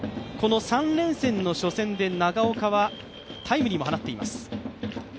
３連戦の初戦で長岡はタイムリーも放っています。